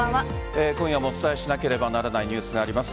今夜もお伝えしなければならないニュースがあります。